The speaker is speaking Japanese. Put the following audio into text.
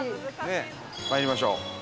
まいりましょう。